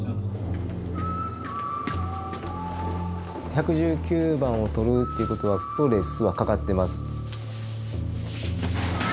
１１９番を取るっていうことはストレスはかかってます。